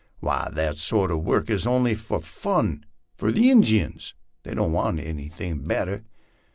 Why that sort uv work is only fun fur the Injuns ; they don't want anything better.